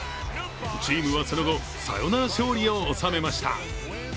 チームはその後、サヨナラ勝利を収めました。